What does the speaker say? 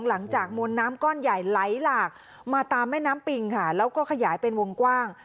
หลังจากมวลน้ำก้อนใหญ่ไหลหลากมาตามแม่น้ำปิงค่ะแล้วก็ขยายเป็นวงกว้าง